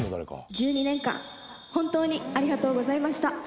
１２年間本当にありがとうございました。